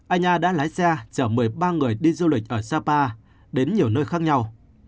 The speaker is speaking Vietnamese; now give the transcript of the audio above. anha đã lái xe chở một mươi ba người đi du lịch ở sapa đến nhiều nơi khác nhau